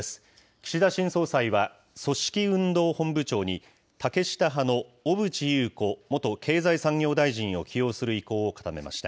岸田新総裁は、組織運動本部長に竹下派の小渕優子元経済産業大臣を起用する意向を固めました。